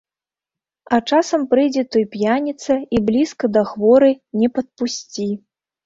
А часам прыйдзе той п'яніца, і блізка да хворай не падпусці.